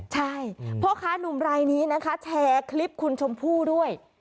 ใช่พ่อค้านุ่มรายนี้นะคะแชร์คลิปคุณชมพู่ด้วย